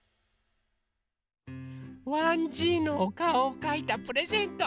わんじいのおかおをかいたプレゼント